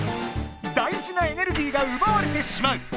だいじなエネルギーがうばわれてしまう！